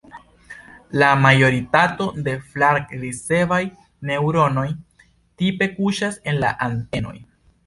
La majoritato de flar-ricevaj neŭronoj tipe kuŝas en la antenoj.